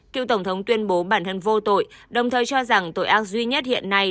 cựu tổng thống tuyên bố bản thân vô tội đồng thời cho rằng tội ác duy nhất hiện nay